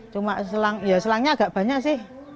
cuma selang ya selangnya agak banyak sih